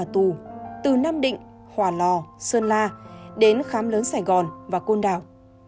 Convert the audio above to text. từ nam định hòa lò sơn la đến khám lớn sài gòn và côn đảo